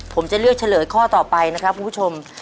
ผมจะเลือกเฉลยข้อต่อไปนะครับคุณผู้ชม